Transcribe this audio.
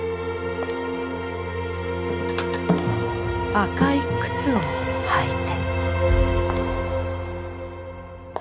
赤い靴を履いて。